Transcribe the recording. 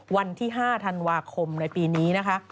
วันที่๕ธันวาคมในปีนี้นะคะ